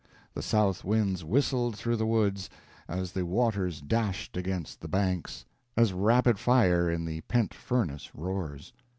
The south winds whistled through the woods, as the waters dashed against the banks, as rapid fire in the pent furnace roars.